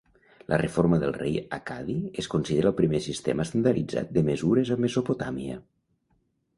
La reforma del rei accadi es considera el primer sistema estandarditzat de mesures a Mesopotàmia.